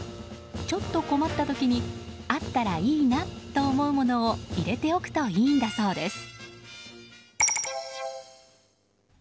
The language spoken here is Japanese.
ちょっと困った時にあったらいいなと思うものを入れておくといいんだそうです。